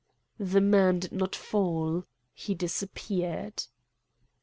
The man did not fall. He disappeared.